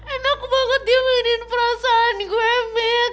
enak banget dia pengenin perasaan gue mit